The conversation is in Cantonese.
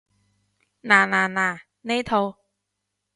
嗱嗱嗱，呢套